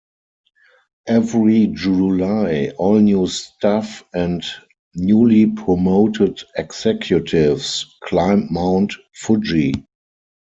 Every July all new staff and newly promoted executives climb Mount Fuji.